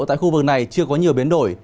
tại khu vực này chưa có nhiều biến đổi